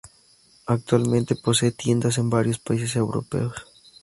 Actualmente posee tiendas en varios países europeos.